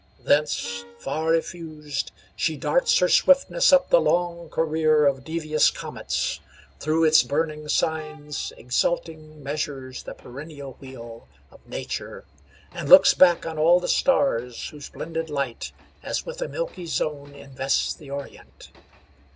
Thence, far effused, She darts her swiftness up the long career Of devious comets; through its burning signs Exulting measures the perennial wheel Of Nature, and looks back on all the stars, Whose blended light, as with a milky zone, Invests the orient.